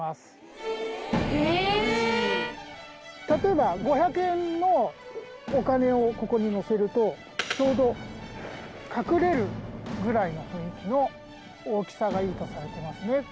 例えば５００円のお金をここにのせるとちょうど隠れるぐらいの雰囲気の大きさがいいとされてますね。